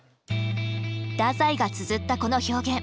太宰がつづったこの表現。